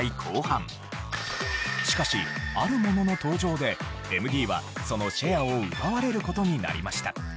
しかしあるものの登場でＭＤはそのシェアを奪われる事になりました。